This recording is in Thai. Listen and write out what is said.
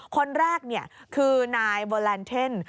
คนแรกคือนายโบแลนเทน